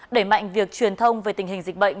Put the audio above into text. đẩy mạnh việc truyền thông về tình hình dịch bệnh